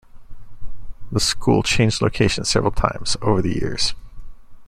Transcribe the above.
The school changed location several times over the years.